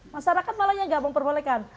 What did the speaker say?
masyarakat malah yang nggak memperbolehkan